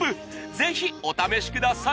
ぜひお試しください